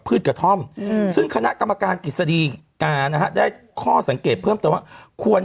พืชกระท่อมอืมซึ่งคณะกรรมการกิจสดีการนะฮะได้ข้อสังเกตเพิ่มแต่ว่าควร